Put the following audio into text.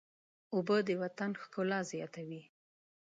اوبه د وطن ښکلا زیاتوي.